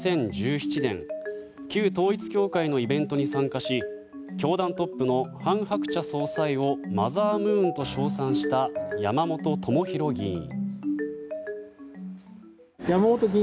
２０１７年旧統一教会のイベントに参加し教団トップの韓鶴子総裁をマザームーンと称賛した山本朋広議員。